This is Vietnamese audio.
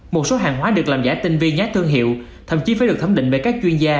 một số hàng hóa được làm giả tinh vi nhát thương hiệu thậm chí phải được thấm định bởi các chuyên gia